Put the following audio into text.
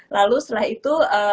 lalu setelah itu